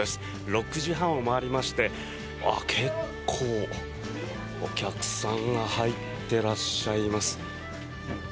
６時半を回りまして結構、お客さんが入ってらっしゃいます。